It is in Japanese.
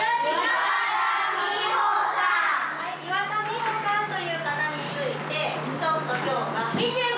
岩田美穂さんという方についてちょっと今日は。